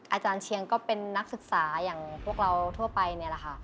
อาจารย์เชียงก็เป็นนักศึกษาอย่างพวกเราทั่วไปนี่แหละค่ะ